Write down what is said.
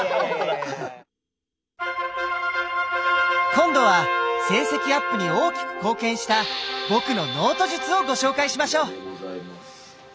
今度は成績アップに大きく貢献した僕の「ノート術」をご紹介しましょう。